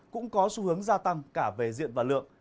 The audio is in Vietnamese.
cũng có xu hướng gia tăng cả về diện và lượng